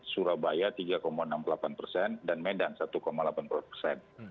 surabaya tiga enam puluh delapan persen dan medan satu delapan puluh persen